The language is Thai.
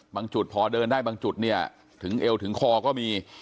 จุดพอเดินได้บางจุดเนี่ยถึงเอวถึงคอก็มี